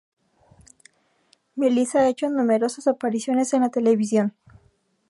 Melissa ha hecho numerosas apariciones en la televisión.